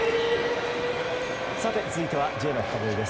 続いてはＪのフカボリです。